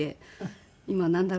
今なんだろう